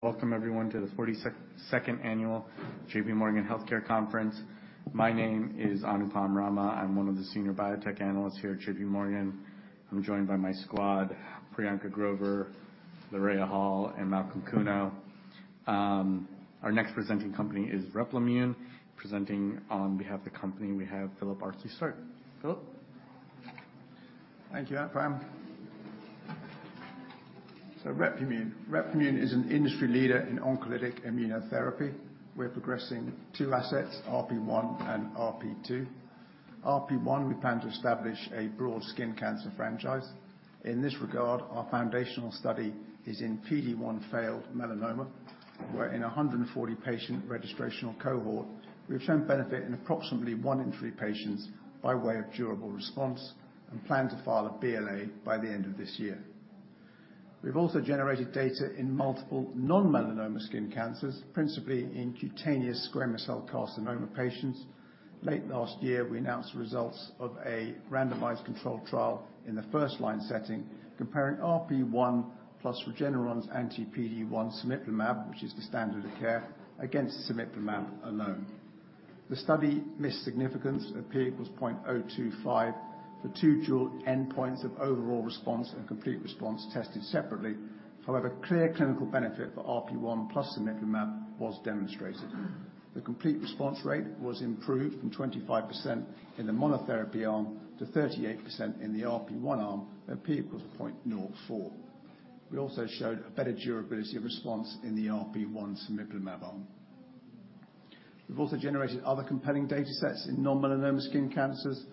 Welcome everyone to the 42nd annual J.P. Morgan Healthcare Conference. My name is Anupam Rama. I'm one of the senior biotech analysts here at J.P. Morgan. I'm joined by my squad, Priyanka Grover, Lyra Hall, and Malcolm Kuno. Our next presenting company is Replimune. Presenting on behalf of the company, we have Philip Astley-Sparke. Start, Philip? Thank you, Anupam. So Replimune. Replimune is an industry leader in oncolytic immunotherapy. We're progressing two assets, RP1 and RP2. RP1, we plan to establish a broad skin cancer franchise. In this regard, our foundational study is in PD-1 failed melanoma, where in a 140 patient registrational cohort, we've shown benefit in approximately one in three patients by way of durable response and plan to file a BLA by the end of this year. We've also generated data in multiple non-melanoma skin cancers, principally in cutaneous squamous cell carcinoma patients. Late last year, we announced results of a randomized controlled trial in the first line setting, comparing RP1+ Regeneron's anti-PD-1 cemiplimab, which is the standard of care, against cemiplimab alone. The study missed significance at P equals 0.025 for two dual endpoints of overall response and complete response tested separately. However, clear clinical benefit for RP1+ cemiplimab was demonstrated. The complete response rate was improved from 25% in the monotherapy arm to 38% in the RP1 arm at P=0.04. We also showed a better durability of response in the RP1 cemiplimab arm. We've also generated other compelling data sets in non-melanoma skin cancers,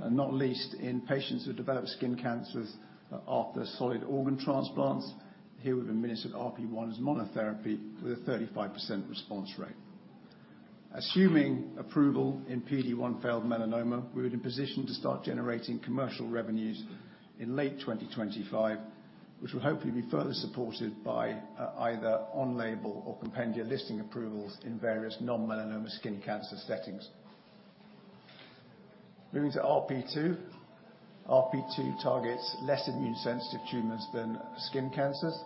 and not least in patients who developed skin cancers after solid organ transplants. Here, we've administered RP1 as monotherapy with a 35% response rate. Assuming approval in PD-1 failed melanoma, we're in position to start generating commercial revenues in late 2025, which will hopefully be further supported by either on-label or compendia listing approvals in various non-melanoma skin cancer settings. Moving to RP2. RP2 targets less immune-sensitive tumors than skin cancers.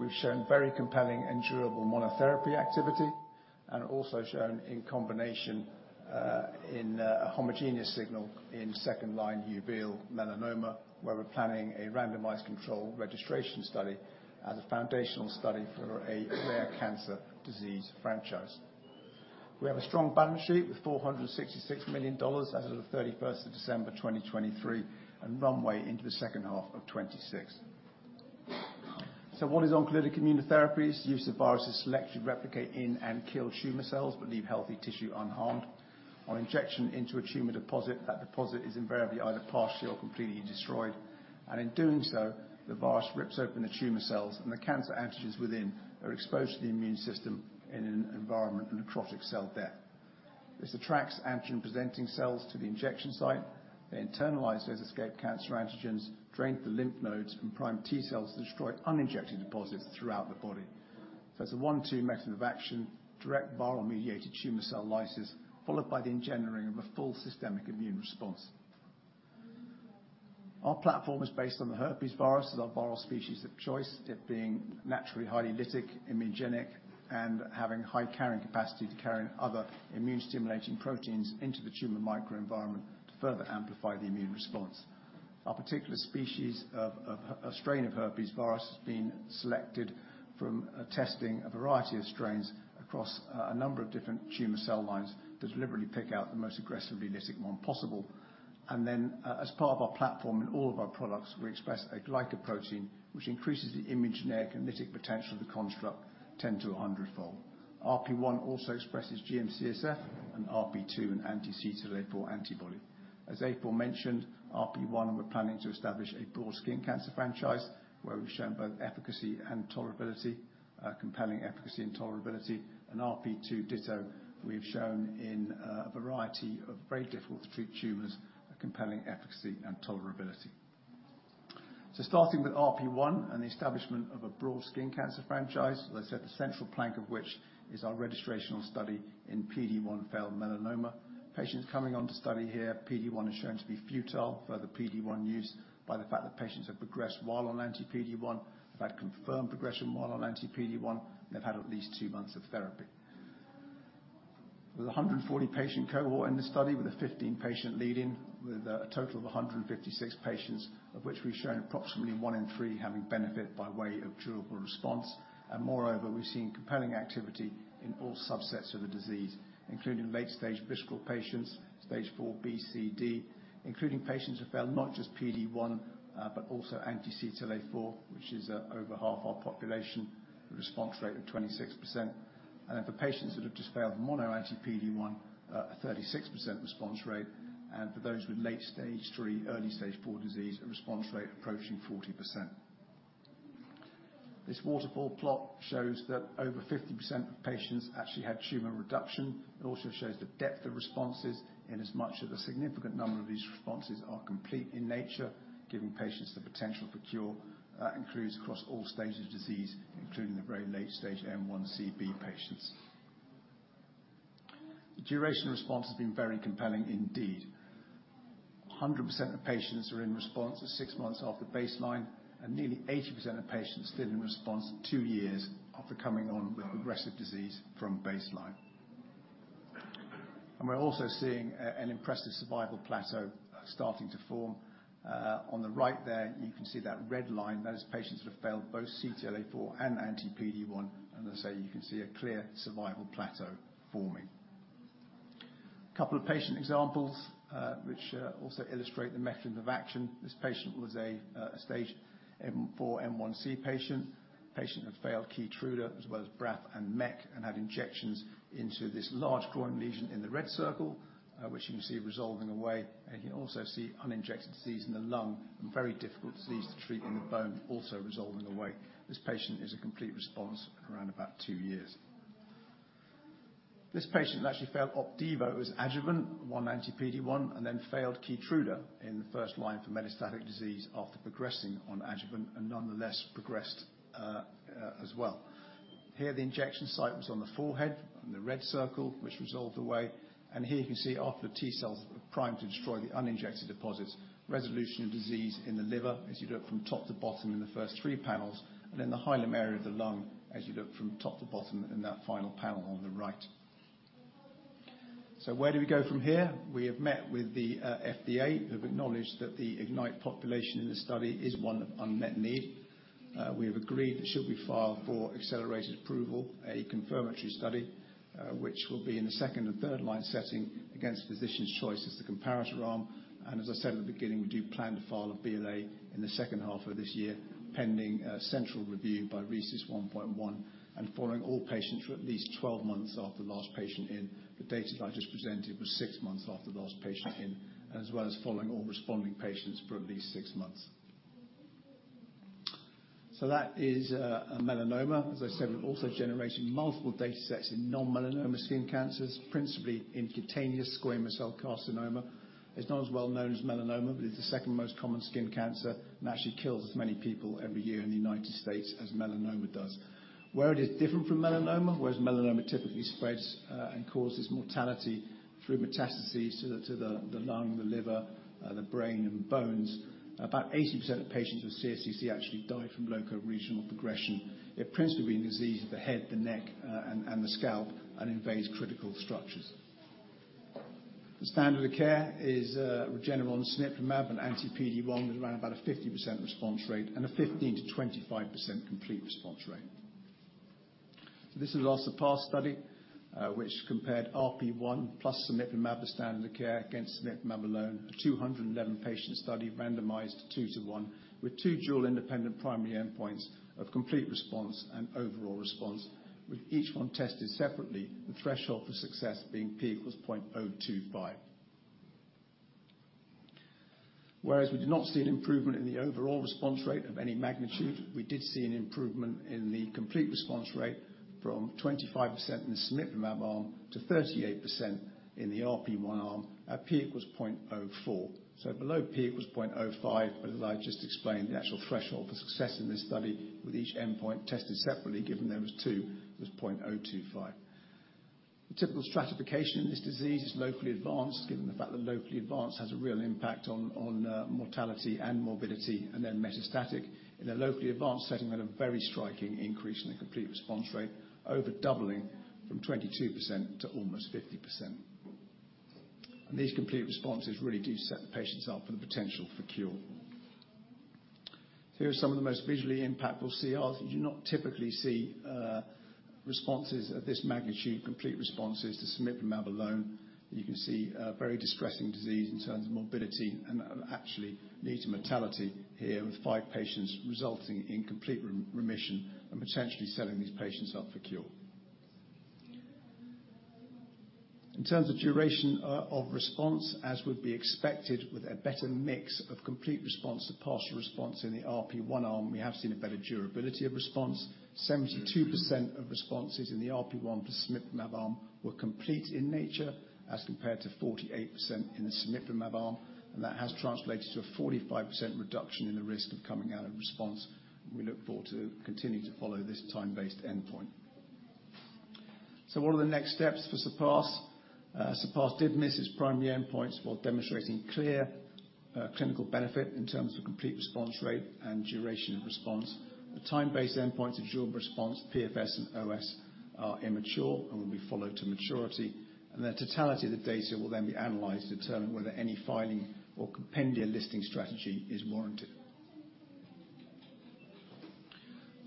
We've shown very compelling and durable monotherapy activity, and also shown in combination, in a homogeneous signal in second-line uveal melanoma, where we're planning a randomized control registration study as a foundational study for a rare cancer disease franchise. We have a strong balance sheet with $466 million as of December 31, 2023, and runway into the second half of 2026. So what is oncolytic immunotherapies? The use of viruses to selectively replicate in and kill tumor cells, but leave healthy tissue unharmed. On injection into a tumor deposit, that deposit is invariably either partially or completely destroyed, and in doing so, the virus rips open the tumor cells, and the cancer antigens within are exposed to the immune system in an environment of necrotic cell death. This attracts antigen-presenting cells to the injection site. They internalize those escaped cancer antigens, drain the lymph nodes, and prime T-cells to destroy uninjected deposits throughout the body. So it's a one-two method of action, direct viral-mediated tumor cell lysis, followed by the engendering of a full systemic immune response. Our platform is based on the herpes virus as our viral species of choice, it being naturally highly lytic, immunogenic, and having high carrying capacity to carry other immune-stimulating proteins into the tumor microenvironment to further amplify the immune response. Our particular species of a strain of herpes virus has been selected from testing a variety of strains across a number of different tumor cell lines to deliberately pick out the most aggressively lytic one possible. And then, as part of our platform in all of our products, we express a glycoprotein, which increases the immunogenic and lytic potential of the construct 10 to a 100-fold. RP1 also expresses GM-CSF and RP2, an anti-CTLA-4 antibody. As I previously mentioned, RP1, we're planning to establish a broad skin cancer franchise, where we've shown both efficacy and tolerability, compelling efficacy and tolerability, and RP2 ditto. We've shown in a variety of very difficult-to-treat tumors, a compelling efficacy and tolerability. So starting with RP1 and the establishment of a broad skin cancer franchise, as I said, the central plank of which is our registrational study in PD-1 failed melanoma. Patients coming onto study here, PD-1 is shown to be futile. Further PD-1 use by the fact that patients have progressed while on anti-PD-1, have had confirmed progression while on anti-PD-1, they've had at least two months of therapy. With a 140 patient cohort in this study, with a 15 patient lead-in, with a total of 156 patients, of which we've shown approximately one in three having benefit by way of durable response. And moreover, we've seen compelling activity in all subsets of the disease, including late-stage visceral patients, Stage 4 B, C, D, including patients who failed not just PD-1, but also anti-CTLA-4, which is, over half our population, a response rate of 26%. And then for patients that have just failed mono anti-PD-1, a 36% response rate, and for those with late Stage 3, early Stage 4 disease, a response rate approaching 40%. This waterfall plot shows that over 50% of patients actually had tumor reduction. It also shows the depth of responses, in as much as a significant number of these responses are complete in nature, giving patients the potential for cure. That includes across all stages of disease, including the very late stage M1c/d patients. The duration response has been very compelling indeed. 100% of patients are in response to six months after baseline, and nearly 80% of patients still in response two years after coming on with progressive disease from baseline. And we're also seeing an impressive survival plateau starting to form. On the right there, you can see that red line. Those patients would have failed both CTLA-4 and anti-PD-1, and as I say, you can see a clear survival plateau forming. Couple of patient examples, which also illustrate the mechanism of action. This patient was a stage 4, M1c patient. Patient had failed Keytruda, as well as BRAF and MEK, and had injections into this large groin lesion in the red circle, which you can see resolving away, and you can also see uninjected disease in the lung and very difficult disease to treat in the bone also resolving away. This patient is a complete response around about two years. This patient actually failed Opdivo as adjuvant on anti-PD-1, and then failed Keytruda in the first line for metastatic disease after progressing on adjuvant and nonetheless progressed, as well. Here, the injection site was on the forehead, in the red circle, which resolved away, and here you can see after the T cells were primed to destroy the uninjected deposits, resolution of disease in the liver, as you look from top to bottom in the first three panels, and in the hilum area of the lung, as you look from top to bottom in that final panel on the right. So where do we go from here? We have met with the FDA, who have acknowledged that the IGNYTE population in the study is one of unmet need. We have agreed that should we file for accelerated approval, a confirmatory study, which will be in the second and third line setting against physician's choice, is the comparator arm. As I said at the beginning, we do plan to file a BLA in the second half of this year, pending a central review by RECIST 1.1, and following all patients for at least 12 months after the last patient in. The data that I just presented was 6 months after the last patient in, as well as following all responding patients for at least 6 months. So that is a melanoma. As I said, we're also generating multiple data sets in non-melanoma skin cancers, principally in cutaneous squamous cell carcinoma. It's not as well known as melanoma, but it's the second most common skin cancer, and actually kills as many people every year in the United States as melanoma does. Where it is different from melanoma, whereas melanoma typically spreads and causes mortality through metastases to the lung, the liver, the brain and bones, about 80% of patients with CSCC actually die from locoregional progression. It principally being disease of the head, the neck, and the scalp and invades critical structures. The standard of care is Regeneron cemiplimab, an anti-PD-1, with around about a 50% response rate and a 15%-25% complete response rate. This is our CERPASS study, which compared RP1+ cemiplimab, the standard of care, against cemiplimab alone, a 211-patient study randomized 2:1, with two dual independent primary endpoints of complete response and overall response, with each one tested separately, the threshold for success being P = 0.025. Whereas we did not see an improvement in the overall response rate of any magnitude, we did see an improvement in the complete response rate from 25% in the cemiplimab arm to 38% in the RP1 arm at P = 0.04. So below P = 0.05, but as I've just explained, the actual threshold for success in this study with each endpoint tested separately, given there was two, was 0.025. The typical stratification in this disease is locally advanced, given the fact that locally advanced has a real impact on mortality and morbidity, and then metastatic. In a locally advanced setting, we had a very striking increase in the complete response rate, over doubling from 22% to almost 50%. And these complete responses really do set the patients up for the potential for cure. Here are some of the most visually impactful CRs. You do not typically see, responses of this magnitude, complete responses to cemiplimab alone. You can see, very distressing disease in terms of morbidity and actually, leading to mortality here, with 5 patients resulting in complete remission and potentially setting these patients up for cure. In terms of duration, of response, as would be expected, with a better mix of complete response to partial response in the RP1 arm, we have seen a better durability of response. 72% of responses in the RP1 to cemiplimab arm were complete in nature, as compared to 48% in the cemiplimab arm, and that has translated to a 45% reduction in the risk of coming out of response. We look forward to continuing to follow this time-based endpoint. So what are the next steps for CERPASS? CERPASS did miss its primary endpoints while demonstrating clear clinical benefit in terms of complete response rate and duration of response. The time-based endpoints of durable response, PFS and OS, are immature and will be followed to maturity, and the totality of the data will then be analyzed to determine whether any filing or compendia listing strategy is warranted.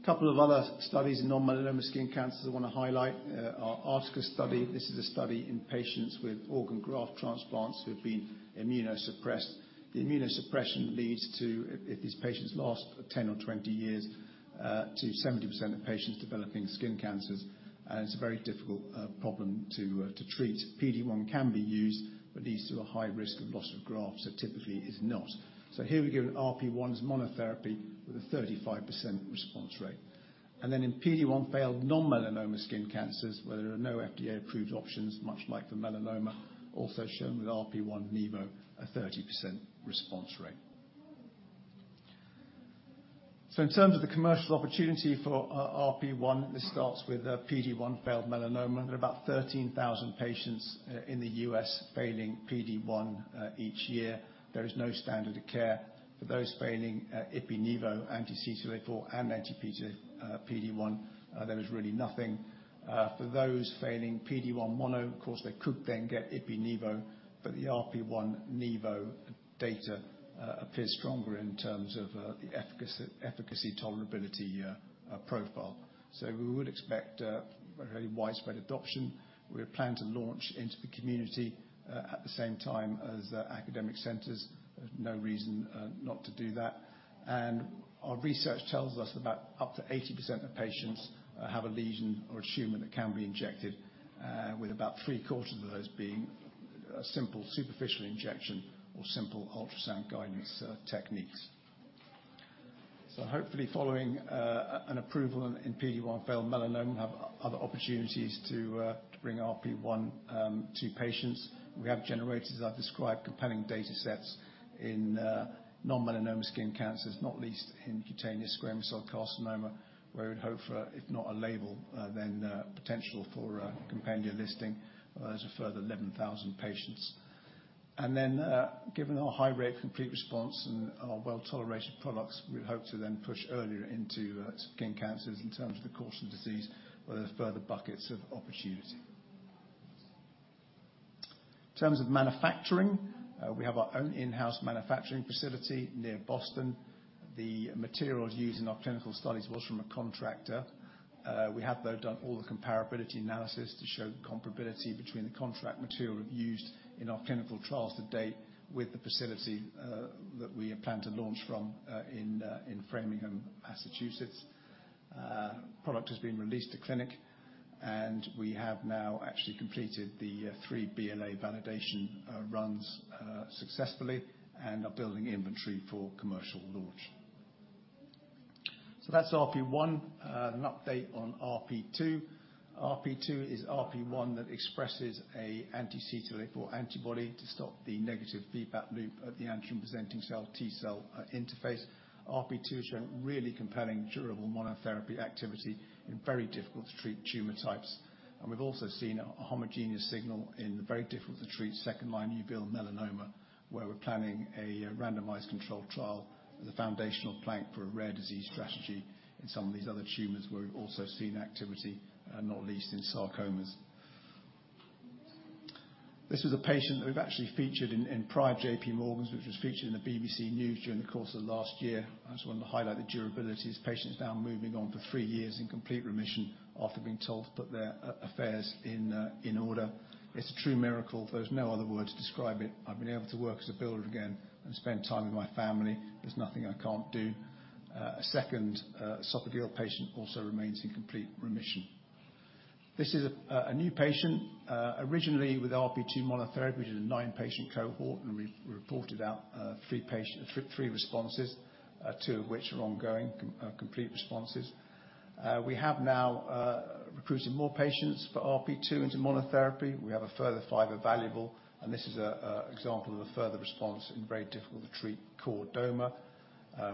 Couple of other studies in non-melanoma skin cancer I want to highlight, our ARTACUS study. This is a study in patients with organ graft transplants who have been immunosuppressed. The immunosuppression leads to, if these patients last 10 or 20 years, to 70% of patients developing skin cancers, and it's a very difficult problem to treat. PD-1 can be used, but leads to a high risk of loss of graft, so typically is not. So here we give RP1's monotherapy with a 35% response rate. And then in PD-1 failed non-melanoma skin cancers, where there are no FDA-approved options, much like the melanoma, also shown with RP1 nivo, a 30% response rate. So in terms of the commercial opportunity for RP1, this starts with PD-1 failed melanoma. There are about 13,000 patients in the U.S. failing PD-1 each year. There is no standard of care for those failing ipi-nivo, anti-CTLA-4 and anti-PD-1, there is really nothing. For those failing PD-1 mono, of course, they could then get ipi-nivo, but the RP1 nivo data appears stronger in terms of the efficacy, tolerability profile. So we would expect a very widespread adoption. We plan to launch into the community at the same time as academic centers. There's no reason, not to do that. Our research tells us about up to 80% of patients have a lesion or a tumor that can be injected, with about three-quarters of those being a simple superficial injection or simple ultrasound guidance techniques. So hopefully, following an approval in PD-1 failed melanoma, we have other opportunities to bring RP1 to patients. We have generated, as I've described, compelling data sets in non-melanoma skin cancers, not least in cutaneous squamous cell carcinoma, where we'd hope for, if not a label, then a potential for a compendia listing. There's a further 11,000 patients. And then, given our high rate of complete response and our well-tolerated products, we'd hope to then push earlier into skin cancers in terms of the course of disease, where there's further buckets of opportunity. In terms of manufacturing, we have our own in-house manufacturing facility near Boston. The materials used in our clinical studies was from a contractor. We have, though, done all the comparability analysis to show comparability between the contract material we've used in our clinical trials to date with the facility that we plan to launch from in Framingham, Massachusetts. Product has been released to clinic, and we have now actually completed the three BLA validation runs successfully, and are building inventory for commercial launch. So that's RP1. An update on RP2. RP2 is RP1 that expresses an anti-CTLA-4 antibody to stop the negative feedback loop at the antigen-presenting cell T cell interface. RP2 has shown really compelling durable monotherapy activity in very difficult to treat tumor types. We've also seen a homogeneous signal in the very difficult to treat second-line uveal melanoma, where we're planning a randomized controlled trial as a foundational plank for a rare disease strategy in some of these other tumors, where we've also seen activity, not least in sarcomas. This is a patient that we've actually featured in prior J.P. Morgans, which was featured in the BBC News during the course of last year. I just wanted to highlight the durability. This patient is now moving on for three years in complete remission after being told to put their affairs in order. "It's a true miracle. There's no other word to describe it. I've been able to work as a builder again and spend time with my family. There's nothing I can't do." A second esophageal patient also remains in complete remission. This is a new patient, originally with RP2 monotherapy, which is a nine-patient cohort, and we've reported out three patients, three responses, two of which are ongoing complete responses. We have now recruited more patients for RP2 into monotherapy. We have a further five evaluable, and this is an example of a further response in very difficult to treat chordoma,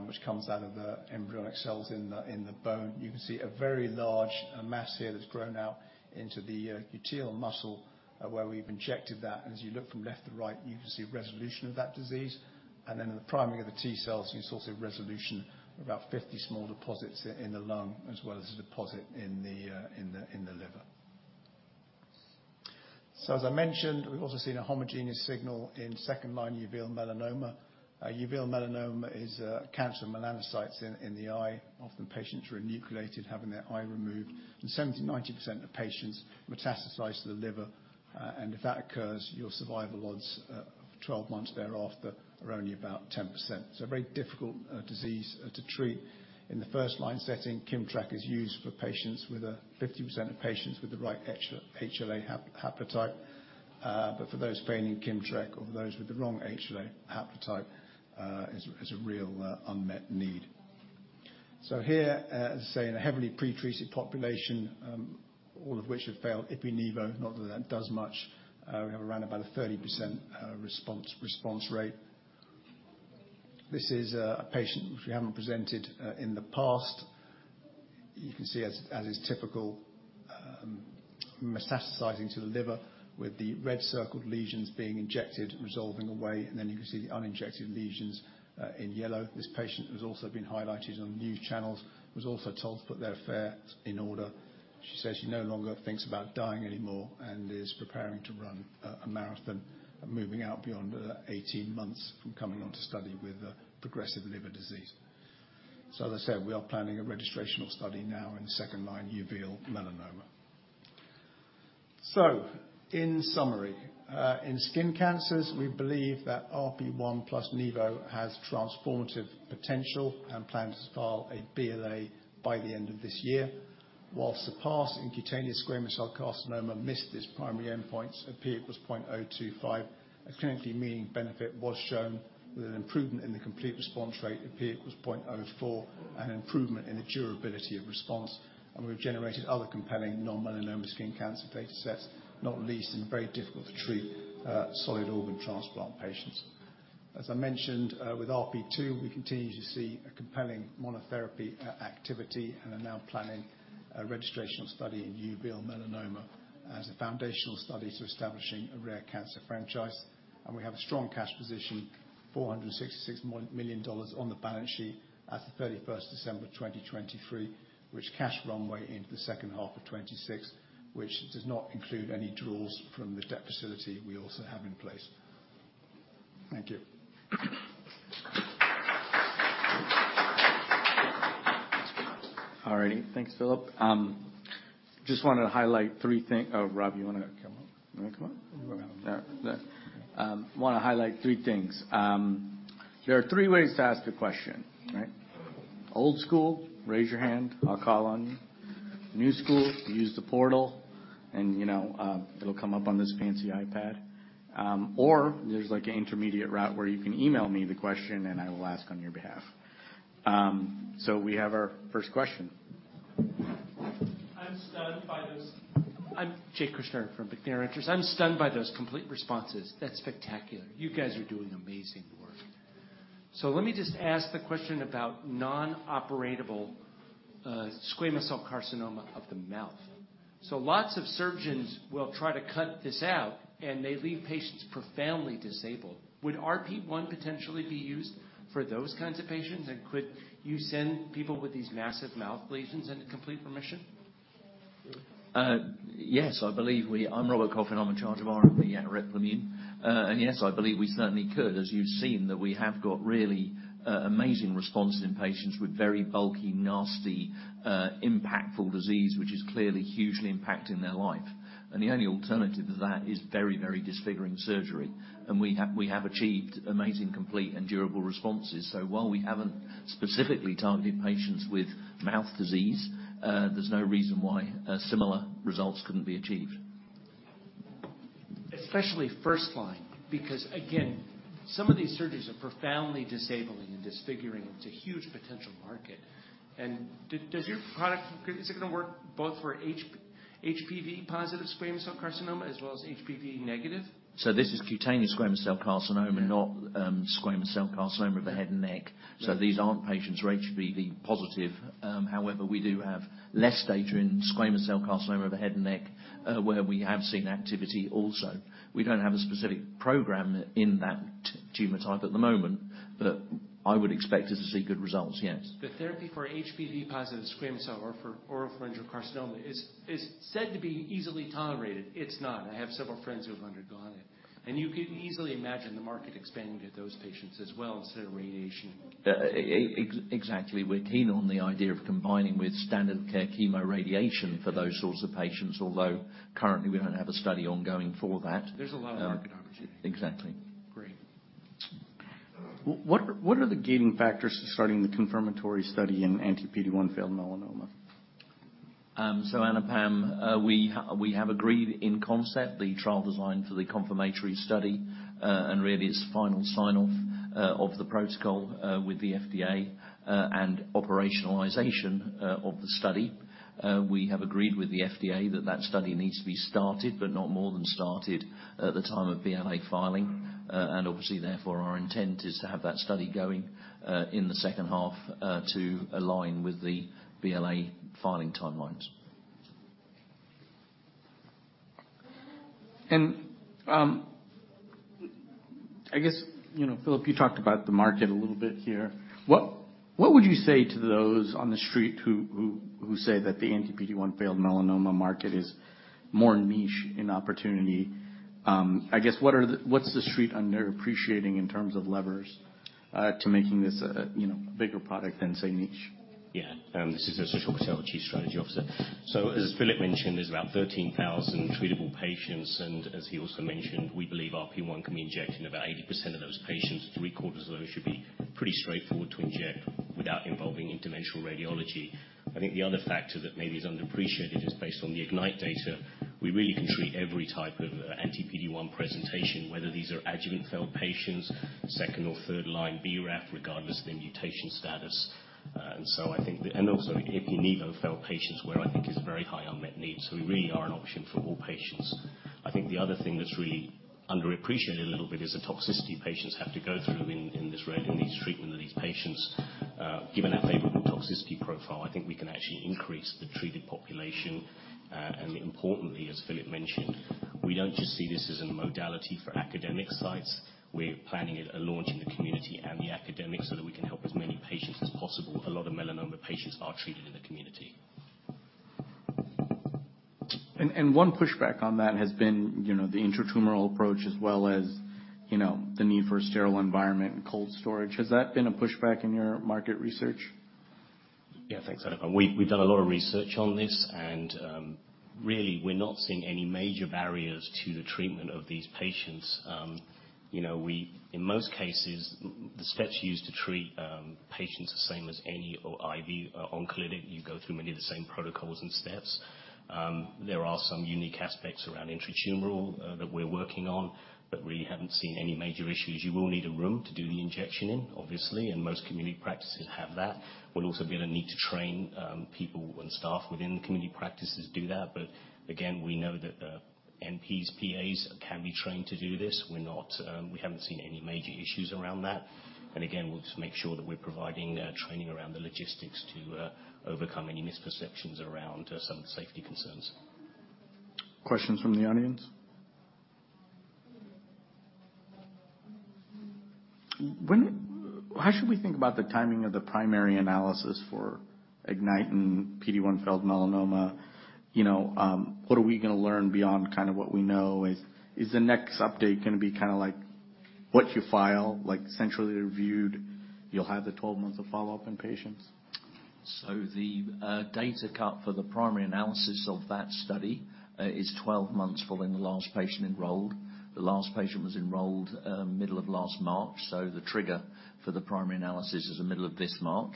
which comes out of the embryonic cells in the bone. You can see a very large mass here that's grown out into the gluteal muscle, where we've injected that. And as you look from left to right, you can see resolution of that disease, and then the priming of the T cells, you can also see resolution of about 50 small deposits in the lung, as well as a deposit in the liver. So, as I mentioned, we've also seen a homogeneous signal in second-line uveal melanoma. Uveal melanoma is cancer melanocytes in the eye. Often, patients are enucleated, having their eye removed, and 70%-90% of patients metastasize to the liver, and if that occurs, your survival odds, 12 months thereafter, are only about 10%. It's a very difficult disease to treat. In the first line setting, Kimmtrak is used for patients with a 50% of patients with the right HLA haplotype, but for those failing Kimmtrak or those with the wrong HLA haplotype, is a real unmet need. So here, as I say, in a heavily pre-treated population, all of which have failed ipi-nivo, not that that does much, we have around about a 30% response rate. This is a patient which we haven't presented in the past. You can see as is typical, metastasizing to the liver with the red-circled lesions being injected, resolving away, and then you can see the uninjected lesions in yellow. This patient has also been highlighted on news channels, was also told to put their affairs in order. She says she no longer thinks about dying anymore and is preparing to run a marathon, moving out beyond the 18 months from coming onto study with a progressive liver disease. So as I said, we are planning a registrational study now in second-line uveal melanoma. So in summary, in skin cancers, we believe that RP1+ nivo has transformative potential and plan to file a BLA by the end of this year. While CERPASS in cutaneous squamous cell carcinoma missed its primary endpoint, p=0.025, a clinically meaningful benefit was shown with an improvement in the complete response rate, p=0.04, and an improvement in the durability of response. And we've generated other compelling non-melanoma skin cancer data sets, not least in very difficult to treat, solid organ transplant patients. ...As I mentioned, with RP2, we continue to see a compelling monotherapy activity and are now planning a registrational study in uveal melanoma as a foundational study to establishing a rare cancer franchise. We have a strong cash position, $466 million on the balance sheet as of December 31, 2023, which cash runway into the second half of 2026, which does not include any draws from the debt facility we also have in place. Thank you. All righty. Thanks, Philip. Just wanted to highlight three things. Oh, Rob, you want to come up? You want to come up? No. Want to highlight three things. There are three ways to ask a question, right? Old school, raise your hand, I'll call on you. New school, use the portal and, you know, it'll come up on this fancy iPad. Or there's, like, an intermediate route where you can email me the question, and I will ask on your behalf. So we have our first question. I'm stunned by this. I'm Jake Kushner from McNair Interests. I'm stunned by those complete responses. That's spectacular. You guys are doing amazing work. So let me just ask the question about inoperable squamous cell carcinoma of the mouth. So lots of surgeons will try to cut this out, and they leave patients profoundly disabled. Would RP1 potentially be used for those kinds of patients, and could you send people with these massive mouth lesions into complete remission? Yes, I believe we... I'm Robert Coffin, I'm in charge of RP at Replimune. And yes, I believe we certainly could, as you've seen, that we have got really amazing responses in patients with very bulky, nasty, impactful disease, which is clearly hugely impacting their life. And we have, we have achieved amazing, complete, and durable responses. So while we haven't specifically targeted patients with mouth disease, there's no reason why similar results couldn't be achieved. Especially first line, because, again, some of these surgeries are profoundly disabling and disfiguring. It's a huge potential market. And does your product, is it going to work both for HPV positive squamous cell carcinoma as well as HPV negative? This is cutaneous squamous cell carcinoma- Yeah. not squamous cell carcinoma of the head and neck. Right. So these aren't patients who are HPV positive. However, we do have less data in squamous cell carcinoma of the head and neck, where we have seen activity also. We don't have a specific program in that tumor type at the moment, but I would expect us to see good results, yes. The therapy for HPV positive squamous cell or for oropharyngeal carcinoma is said to be easily tolerated. It's not. I have several friends who have undergone it, and you can easily imagine the market expanding to those patients as well instead of radiation. Exactly. We're keen on the idea of combining with standard care chemoradiation for those sorts of patients, although currently, we don't have a study ongoing for that. There's a lot of market opportunity. Exactly. Great. What are the gating factors to starting the confirmatory study in anti-PD-1 failed melanoma? So Anupam, we have agreed in concept the trial design for the confirmatory study, and really its final sign-off of the protocol with the FDA, and operationalization of the study. We have agreed with the FDA that that study needs to be started, but not more than started at the time of BLA filing. And obviously, therefore, our intent is to have that study going, in the second half, to align with the BLA filing timelines. I guess, you know, Philip, you talked about the market a little bit here. What would you say to those on the street who say that the anti-PD-1 failed melanoma market is more niche in opportunity? I guess, what's the street underappreciating in terms of levers to making this a, you know, bigger product than, say, niche? Yeah. This is Sushil Patel, Chief Strategy Officer. So as Philip mentioned, there's about 13,000 treatable patients, and as he also mentioned, we believe RP1 can be injected in about 80% of those patients. Three-quarters of those should be pretty straightforward to inject without involving interventional radiology. I think the other factor that maybe is underappreciated is based on the IGNYTE data. We really can treat every type of anti-PD-1 presentation, whether these are adjuvant-failed patients, second or third line BRAF, regardless of their mutation status. And so I think and also, ipi/nivo-failed patients, where I think it's very high unmet need. So we really are an option for all patients. I think the other thing that's really underappreciated a little bit is the toxicity patients have to go through in the treatment of these patients. Given our favorable toxicity profile, I think we can actually increase the treated population. And importantly, as Philip mentioned, we don't just see this as a modality for academic sites. We're planning a launch in the community and the academics so that we can help as many patients as possible. A lot of melanoma patients are treated in the community. And one pushback on that has been, you know, the intratumoral approach as well as, you know, the need for a sterile environment and cold storage. Has that been a pushback in your market research? Yeah. Thanks, Anupam. We've done a lot of research on this, and really, we're not seeing any major barriers to the treatment of these patients. You know, in most cases, the steps used to treat patients the same as any IV on clinic. You go through many of the same protocols and steps. There are some unique aspects around intratumoral that we're working on, but we haven't seen any major issues. You will need a room to do the injection in, obviously, and most community practices have that. We'll also be able to need to train people and staff within the community practices to do that. But again, we know that NPs, PAs can be trained to do this. We're not, we haven't seen any major issues around that. Again, we'll just make sure that we're providing training around the logistics to overcome any misperceptions around some of the safety concerns. Questions from the audience?... When, how should we think about the timing of the primary analysis for IGNYTE and PD-1 failed melanoma? You know, what are we gonna learn beyond kind of what we know? Is the next update gonna be kind of like, what you file, like centrally reviewed, you'll have the 12 months of follow-up in patients? So the data cut for the primary analysis of that study is 12 months following the last patient enrolled. The last patient was enrolled middle of last March, so the trigger for the primary analysis is the middle of this March.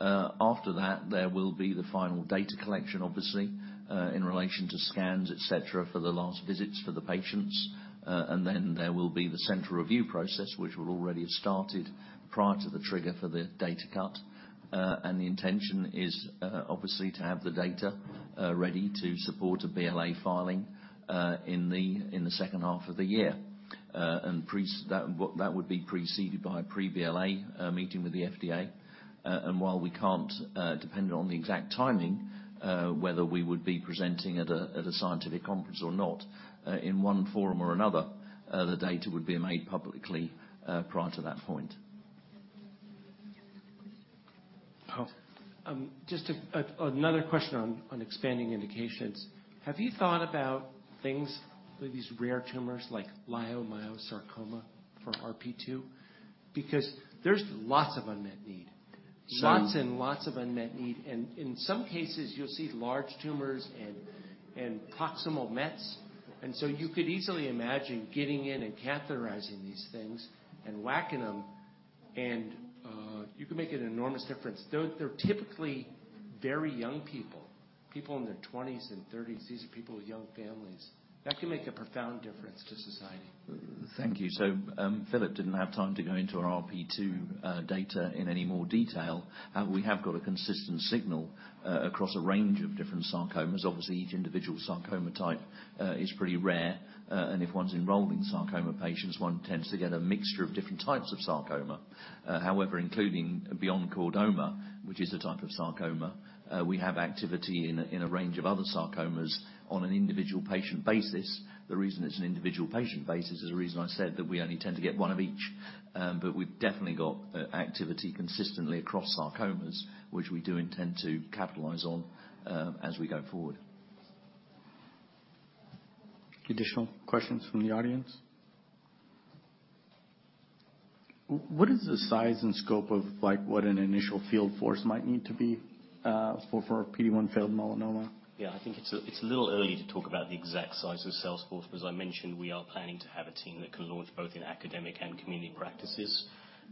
After that, there will be the final data collection, obviously, in relation to scans, et cetera, for the last visits for the patients. And then there will be the central review process, which will already have started prior to the trigger for the data cut. And the intention is, obviously, to have the data ready to support a BLA filing in the second half of the year. And that would be preceded by a pre-BLA meeting with the FDA. And while we can't depend on the exact timing, whether we would be presenting at a scientific conference or not, in one forum or another, the data would be made publicly prior to that point. Oh, just another question on expanding indications. Have you thought about things like these rare tumors like leiomyosarcoma for RP2? Because there's lots of unmet need. So- Lots and lots of unmet need, and in some cases, you'll see large tumors and proximal mets. And so you could easily imagine getting in and catheterizing these things and whacking them, and you can make an enormous difference. They're typically very young people, people in their twenties and thirties. These are people with young families. That can make a profound difference to society. Thank you. So, Philip didn't have time to go into our RP2 data in any more detail. We have got a consistent signal across a range of different sarcomas. Obviously, each individual sarcoma type is pretty rare, and if one's enrolling sarcoma patients, one tends to get a mixture of different types of sarcoma. However, including beyond chordoma, which is a type of sarcoma, we have activity in a range of other sarcomas on an individual patient basis. The reason it's an individual patient basis is the reason I said that we only tend to get one of each. But we've definitely got activity consistently across sarcomas, which we do intend to capitalize on as we go forward. Additional questions from the audience? What is the size and scope of like what an initial field force might need to be, for PD-1 failed melanoma? Yeah, I think it's, it's a little early to talk about the exact size of the sales force. As I mentioned, we are planning to have a team that can launch both in academic and community practices,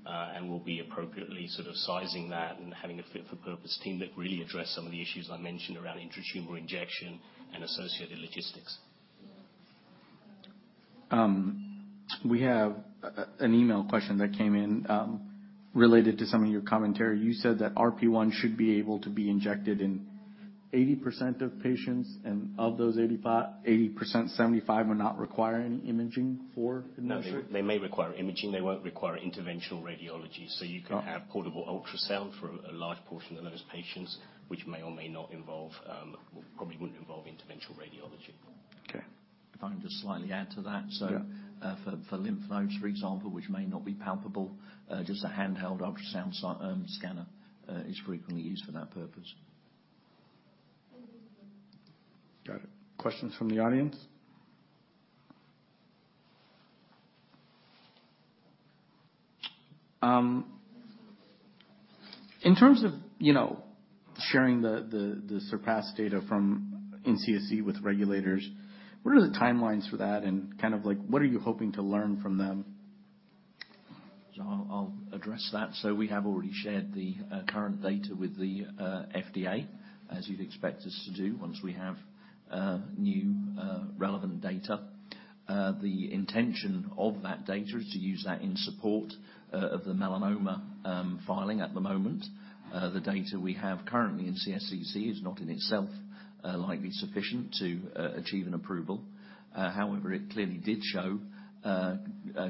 and we'll be appropriately sort of sizing that and having a fit for purpose team that really address some of the issues I mentioned around intratumoral injection and associated logistics. We have an email question that came in related to some of your commentary. You said that RP1 should be able to be injected in 80% of patients, and of those 85%-80%, 75% are not requiring imaging for injection? No, they, they may require imaging. They won't require interventional radiology. Okay. So you can have portable ultrasound for a large portion of those patients, which may or may not involve... probably wouldn't involve interventional radiology. Okay. If I can just slightly add to that. Yeah. So, for lymph nodes, for example, which may not be palpable, just a handheld ultrasound scanner is frequently used for that purpose. Got it. Questions from the audience? In terms of, you know, sharing the CERPASS data from in CSCC with regulators, what are the timelines for that, and kind of like, what are you hoping to learn from them? So I'll address that. So we have already shared the current data with the FDA, as you'd expect us to do once we have new relevant data. The intention of that data is to use that in support of the melanoma filing at the moment. The data we have currently in CSCC is not, in itself, likely sufficient to achieve an approval. However, it clearly did show a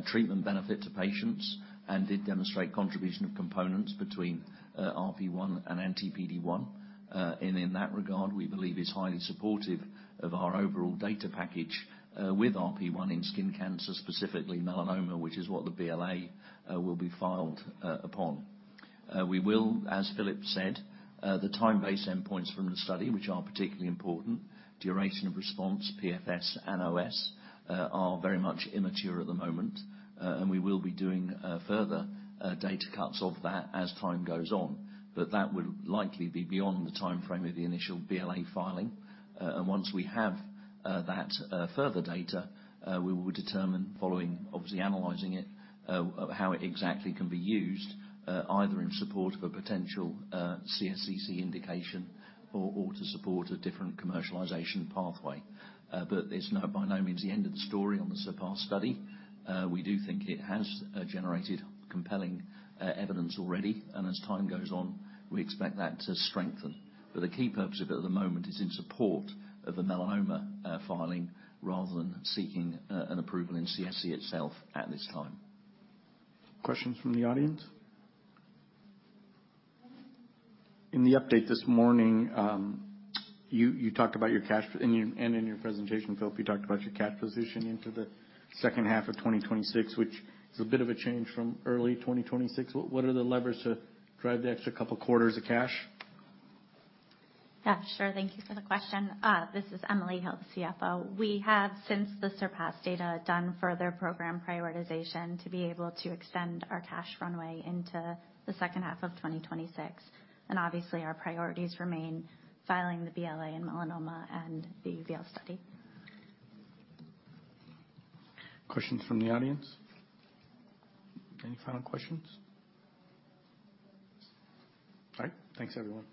treatment benefit to patients and did demonstrate contribution of components between RP1 and anti-PD-1. And in that regard, we believe is highly supportive of our overall data package with RP1 in skin cancer, specifically melanoma, which is what the BLA will be filed upon. We will, as Philip said, the time-based endpoints from the study, which are particularly important, duration of response, PFS and OS, are very much immature at the moment, and we will be doing further data cuts of that as time goes on. But that would likely be beyond the timeframe of the initial BLA filing. And once we have that further data, we will determine, following, obviously, analyzing it, how it exactly can be used, either in support of a potential CSCC indication or to support a different commercialization pathway. But it's not by any means the end of the story on the CERPASS study. We do think it has generated compelling evidence already, and as time goes on, we expect that to strengthen. But the key purpose of it at the moment is in support of the melanoma filing, rather than seeking an approval in CSCC itself at this time. Questions from the audience? In the update this morning, you talked about your cash, and in your presentation, Philip, you talked about your cash position into the second half of 2026, which is a bit of a change from early 2026. What are the levers to drive the extra couple quarters of cash? Yeah, sure. Thank you for the question. This is Emily Hill, the CFO. We have, since the CERPASS data, done further program prioritization to be able to extend our cash runway into the second half of 2026. And obviously, our priorities remain filing the BLA and melanoma and the uveal study Questions from the audience? Any final questions? All right. Thanks, everyone.